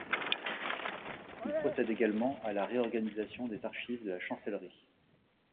Il procède également à la réorganisation des archives de la chancellerie.